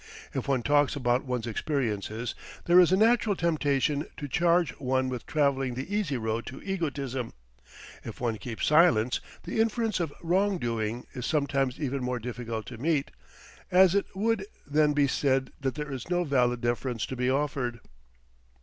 If one talks about one's experiences, there is a natural temptation to charge one with traveling the easy road to egotism; if one keeps silence, the inference of wrong doing is sometimes even more difficult to meet, as it would then be said that there is no valid defence to be offered.